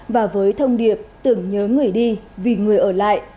và với thông điệp tưởng nhớ người đi vì người ở lại